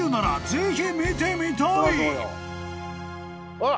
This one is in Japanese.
あっ。